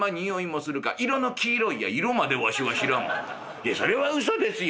「いやそれはうそですよ